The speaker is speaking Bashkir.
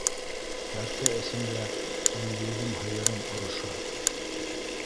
Кәртә эсендә Гөлйөҙөм һыйырын ороша: